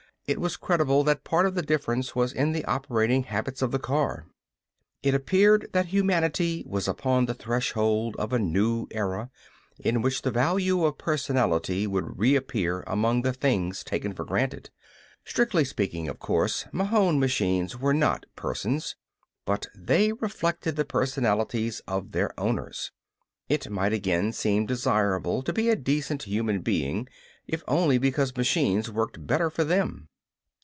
It was credible that part of the difference was in the operating habits of the cars. It appeared that humanity was upon the threshold of a new era, in which the value of personality would reappear among the things taken for granted. Strictly speaking, of course, Mahon machines were not persons. But they reflected the personalities of their owners. It might again seem desirable to be a decent human being if only because machines worked better for them.